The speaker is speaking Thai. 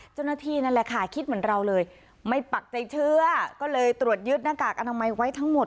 นั่นแหละค่ะคิดเหมือนเราเลยไม่ปักใจเชื่อก็เลยตรวจยึดหน้ากากอนามัยไว้ทั้งหมด